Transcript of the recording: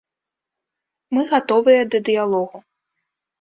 Мы гатовыя да дыялогу.